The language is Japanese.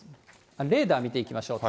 レーダー見ていきましょう。